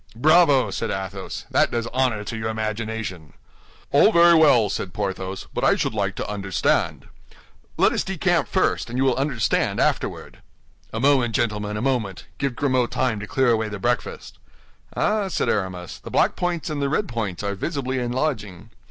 "Bravo!" said Athos; "that does honor to your imagination." "All very well," said Porthos, "but I should like to understand." "Let us decamp first, and you will understand afterward." "A moment, gentlemen, a moment; give Grimaud time to clear away the breakfast." "Ah, ah!" said Aramis, "the black points and the red points are visibly enlarging.